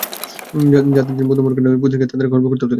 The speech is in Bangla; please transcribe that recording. যাঁদের তিনি বন্ধু মনে করেন না, পুতিনকে তাঁদের খর্ব করতেও দেখেছি।